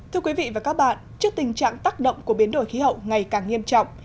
thưa quý vị và các bạn trước tình trạng tác động của biến đổi khí hậu ngày càng nghiêm trọng